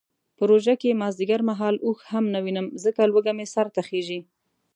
په روژه کې مازدیګر مهال اوښ هم نه وینم ځکه لوږه مې سرته خیژي.